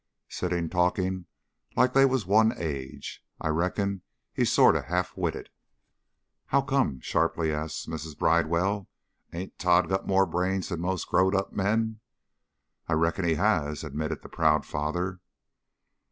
Sitting talking like they was one age. I reckon he's sort of half witted." "How come?" sharply asked Mrs. Bridewell. "Ain't Tod got more brains than most growed up men?" "I reckon he has," admitted the proud father.